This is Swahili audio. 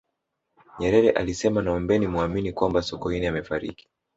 nyerere alisema naombeni muamini kwamba sokoine amefariki